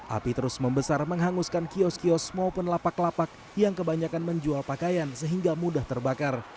api terus membesar menghanguskan kios kios maupun lapak lapak yang kebanyakan menjual pakaian sehingga mudah terbakar